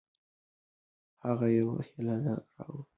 هغه یوې هیلې ته راوټوکېده.